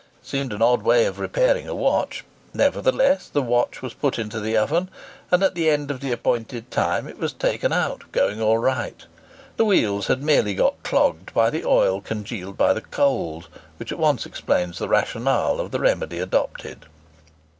It seemed an odd way of repairing a watch; nevertheless, the watch was put into the oven, and at the end of the appointed time it was taken out, going all right. The wheels had merely got clogged by the oil congealed by the cold; which at once explains the rationale of the remedy adopted.